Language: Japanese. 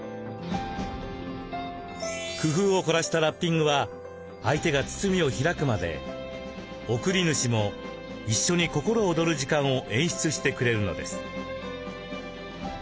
工夫を凝らしたラッピングは相手が包みを開くまで贈り主も一緒に心躍る時間を演出してくれるのです。